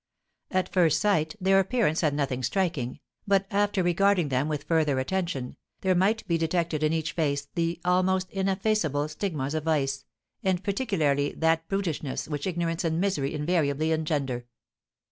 At first sight their appearance had nothing striking, but, after regarding them with further attention, there might be detected in each face the almost ineffaceable stigmas of vice, and particularly that brutishness which ignorance and misery invariably engender.